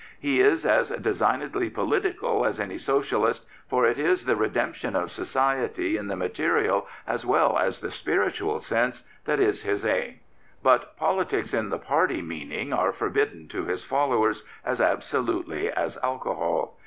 He is as designedly political as any Socialist, for it is the redemption of Society in the material as well as the spiritual sense that is his aim. But politics in the party meaning are forbidden to his followers as absolutely as alcohol.